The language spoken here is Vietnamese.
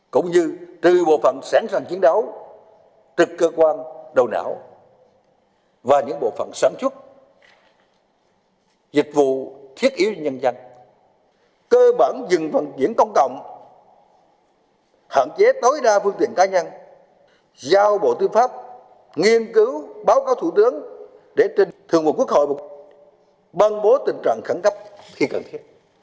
cơ bản dừng phần diễn công cộng hạn chế tối đa phương tiện cá nhân giao bộ tư pháp nghiên cứu báo cáo thủ tướng để trên thường mục quốc hội băng bố tình trạng khẳng cấp khi cần thiết